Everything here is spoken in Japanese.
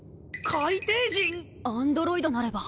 海底人⁉アンドロイドなれば。